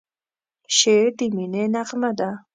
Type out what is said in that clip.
شعر د مینې نغمه ده.